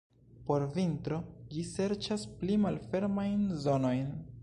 Por vintro ĝi serĉas pli malfermajn zonojn.